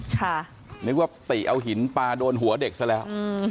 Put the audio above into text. นึกว่าติเอาหินปลาโดนหัวเด็กซะแล้ว